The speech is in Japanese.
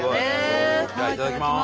じゃあいただきます。